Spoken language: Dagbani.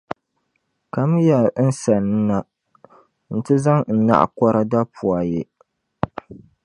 Kamiya n sanna nti zaŋ n naɣikɔra dapua ye.